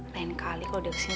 lain kali kalo dia kesini